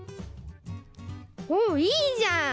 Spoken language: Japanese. おっいいじゃん。